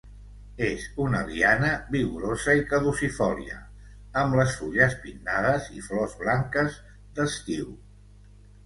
És una liana vigorosa i caducifòlia amb les fulles pinnades i flors blanques d'estiu.